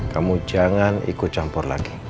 kamu jangan ikut campur lagi